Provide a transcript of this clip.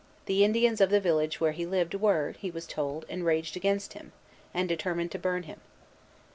The Indians of the village where he lived were, he was told, enraged against him, and determined to burn him.